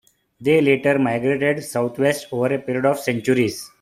They later migrated south West over a period of centuries.